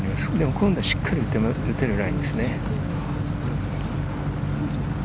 今度はしっかり打てるラインですね。